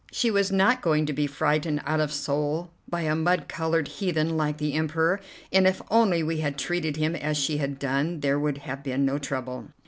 She was not going to be frightened out of Seoul by a mud colored heathen like the Emperor, and if only we had treated him as she had done, there would have been no trouble.